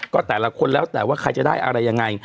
ก็แต่ละคนแล้วแต่ว่าใครจะได้อะไรยังไง